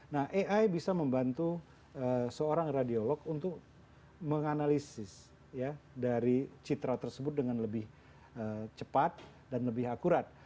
nah ai bisa membantu seorang radiolog untuk menganalisis dari citra tersebut dengan lebih cepat dan lebih akurat